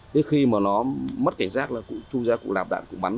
thế khi mà nó mất cảnh giác là cũng chui ra cũng lạp đạn cũng bắn